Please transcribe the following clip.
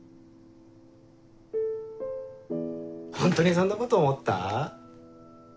本当にそんなこと思った？